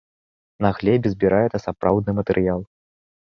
На глебе збіраецца сапраўдны матэрыял.